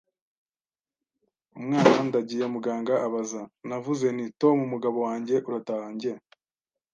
umwana. “Ndagiye, muganga?” abaza. Navuze nti: “Tom, mugabo wanjye, urataha.” “Njye